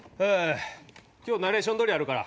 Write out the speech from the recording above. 今日ナレーション録りあるから。